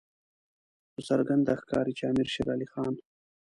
په څرګنده ښکاري چې امیر شېر علي خان.